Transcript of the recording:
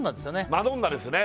マドンナですね